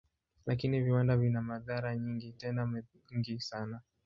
Lakini viwanda vina madhara pia, tena mengi sana.